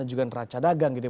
dan juga neraca dagang gitu